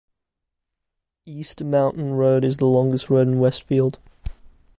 East Mountain Road is the longest road in Westfield.